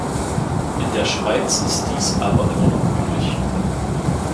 In der Schweiz ist dies aber immer noch üblich.